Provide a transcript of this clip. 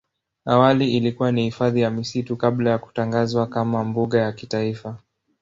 Awali ilikuwa ni hifadhi ya misitu kabla ya kutangazwa kama mbuga ya kitaifa.